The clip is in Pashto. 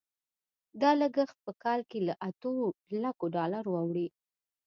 دا لګښت په کال کې له اتو لکو ډالرو اوړي.